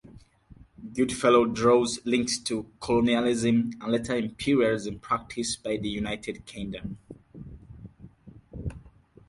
Goodfellow draws links to colonialism and later imperialism practiced by the United Kingdom.